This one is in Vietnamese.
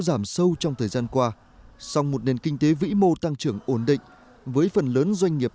giảm sâu trong thời gian qua song một nền kinh tế vĩ mô tăng trưởng ổn định với phần lớn doanh nghiệp